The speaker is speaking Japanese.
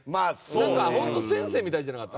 なんか本当先生みたいじゃなかった？